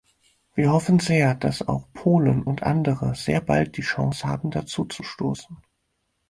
Wir hoffen sehr, dass auch Polen und andere sehr bald die Chance haben, dazuzustoßen.